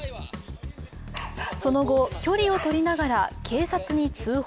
その後、距離をとりながら警察に通報。